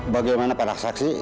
bagaimana pada saksi